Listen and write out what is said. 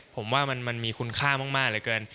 ผมว่ามันมีคุณค่ามากเหลือเกิน